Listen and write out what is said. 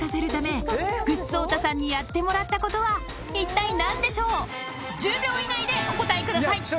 ここで１０秒以内でお答えください